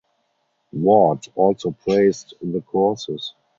Ward also praised the courses.